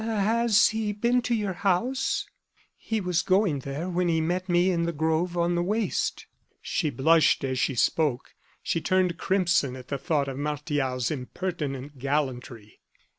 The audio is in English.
"Has he been to your house?" "He was going there, when he met me in the grove on the waste." She blushed as she spoke; she turned crimson at the thought of Martial's impertinent gallantry.